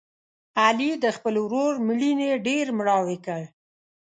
علي د خپل ورور مړینې ډېر مړاوی کړ.